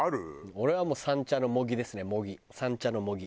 俺はもう三茶の茂木ですね茂木。